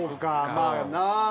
まあな。